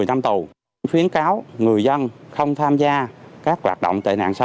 nguyễn tấn phúc khuyến cáo người dân không tham gia các hoạt động tệ nạn xã hội